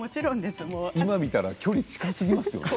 今見たら距離が近すぎますよね。